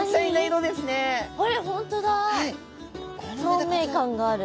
透明感がある。